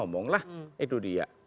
ngomong lah itu dia